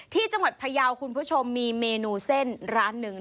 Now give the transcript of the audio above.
ที่จังหวัดพยาวคุณผู้ชมมีเมนูเส้นร้านหนึ่ง